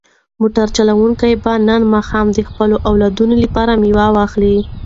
موټر چلونکی به نن ماښام د خپلو اولادونو لپاره مېوه واخلي.